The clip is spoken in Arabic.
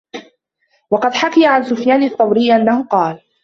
وَقَدْ حُكِيَ عَنْ سُفْيَانَ الثَّوْرِيِّ أَنَّهُ قَالَ